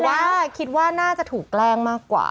ว่าคิดว่าน่าจะถูกแกล้งมากกว่า